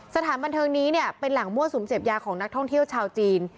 สถานบันเทิงนี้เนี่ยเป็นแหล่งมั่วสุมเสพยาของนักท่องเที่ยวชาวจีน